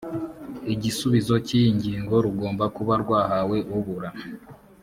igisubizo cy’iyi ngingo rugomba kuba rwahawe uburana